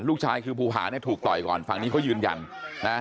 ลูกชายคือภูผาเนี่ยถูกต่อยก่อนฝั่งนี้เขายืนยันนะ